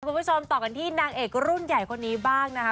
คุณผู้ชมต่อกันที่นางเอกรุ่นใหญ่คนนี้บ้างนะคะ